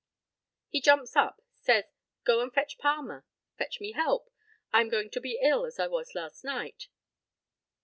He jumps up, says "Go and fetch Palmer fetch me help I am going to be ill as I was last night."